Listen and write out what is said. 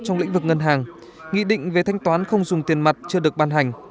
trong lĩnh vực ngân hàng nghị định về thanh toán không dùng tiền mặt chưa được ban hành